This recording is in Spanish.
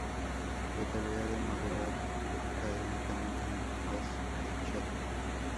La tarea de moderar recae únicamente en el host del chat.